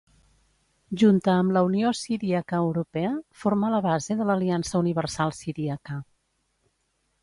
Junta amb la Unió Siríaca Europea forma la base de l'Aliança Universal Siríaca.